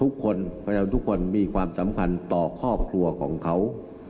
ประชาชนทุกคนมีความสำคัญต่อครอบครัวของเขา